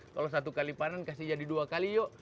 kalau satu kali panen kasih jadi dua kali yuk